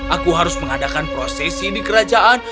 aku harus mengadakan prosesi di kerajaan